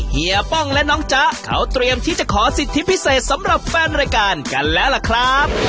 เฮียป้องและน้องจ๊ะเขาเตรียมที่จะขอสิทธิพิเศษสำหรับแฟนรายการกันแล้วล่ะครับ